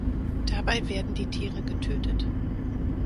Dabei werden die Tiere getötet.